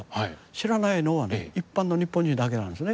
知らないのは一般の日本人だけなんですね。